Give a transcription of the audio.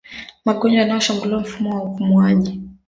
Magonjwa yanayoshambulia mfumo wa upumuaji